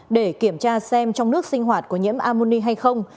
để kiểm tra xem trong nước sinh hoạt của nhiễm ammoni hay không